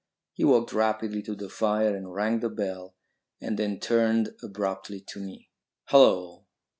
He walked rapidly to the fireplace and rang the bell, and then turned abruptly to me. "Hullo!